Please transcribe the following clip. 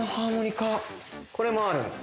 これもある。